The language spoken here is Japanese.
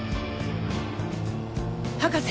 博士！